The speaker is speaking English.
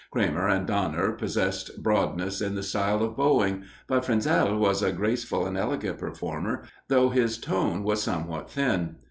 Cramer and Danner possessed broadness in the style of bowing, but Fraenzel was a graceful and elegant performer, though his tone was somewhat thin.